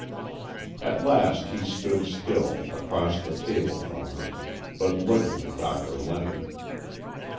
At last he stood still, across the table from her, but looking at Doctor Leonard.